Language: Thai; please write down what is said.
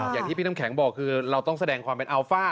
อย่างที่พี่น้ำแข็งบอกคือเราต้องแสดงความเป็นอัลฟ่า